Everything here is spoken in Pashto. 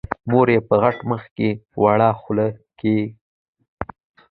مور يې په غټ مخ کې وړه خوله کږه وږه کړه.